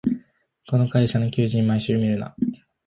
この会社の求人、毎週見るな